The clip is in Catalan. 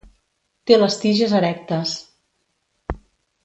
Té les tiges erectes.